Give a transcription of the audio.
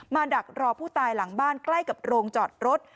ดักรอผู้ตายหลังบ้านใกล้กับโรงจอดรถ